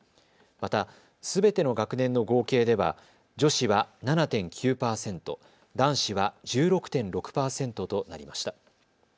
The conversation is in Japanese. また、すべての学年の合計では女子は７．９％、男子は１６．６％となりました。